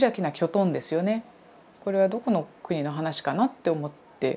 これはどこの国の話かな？って思って。